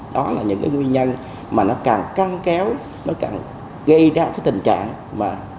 đó là những cái nguyên nhân mà nó càng căng kéo nó càng gây ra cái tình trạng mà